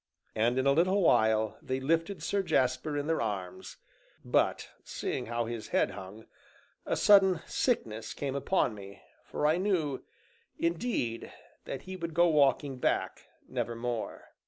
And in a little while they lifted Sir Jasper in their arms, but seeing how his head hung, a sudden sickness came upon me, for I knew, indeed, that he would go walking back nevermore.